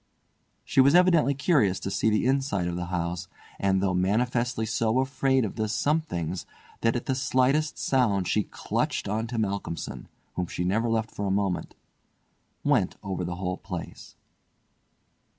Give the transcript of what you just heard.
She was evidently curious to see the inside of the house; and though manifestly so afraid of the "somethings" that at the slightest sound she clutched on to Malcolmson, whom she never left for a moment, went over the whole place.